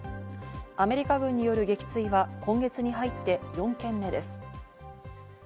アメリカ軍による撃墜は今月に入って４件目です。